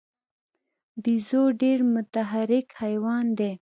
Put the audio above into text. بیزو ډېر متحرک حیوان دی.